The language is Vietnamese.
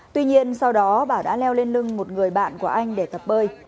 tuy nhiên sau đó bảo đã leo lên lưng một người bạn của anh để tập bơi